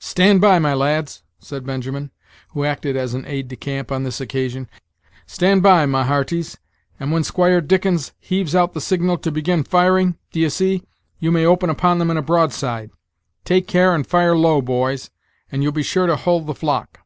"Stand by, my lads," said Benjamin, who acted as an aid de camp on this occasion, "stand by, my hearties, and when Squire Dickens heaves out the signal to begin firing, d'ye see, you may open upon them in a broadside. Take care and fire low, boys, and you'll be sure to hull the flock."